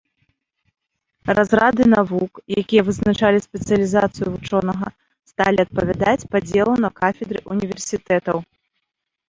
Разрады навук, якія вызначалі спецыялізацыю вучонага, сталі адпавядаць падзелу на кафедры ўніверсітэтаў.